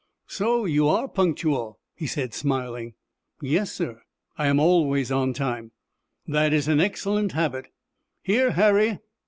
"So you are punctual," he said, smiling. "Yes, sir, I always on time." "That is an excellent habit. Here, Harry."